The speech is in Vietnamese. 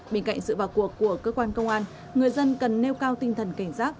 bên cạnh sự vào cuộc của cơ quan công an người dân cần nêu cao tinh thần cảnh giác